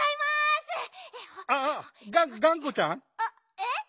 えっ？